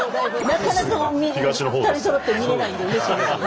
なかなか２人そろって見れないんでうれしいです。